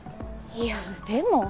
いやでも。